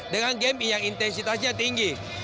dengan game yang intensitasnya tinggi